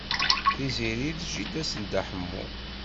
Tiziri d jida-s n Dda Ḥemmu.